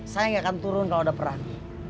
saya nggak akan turun kalau ada perang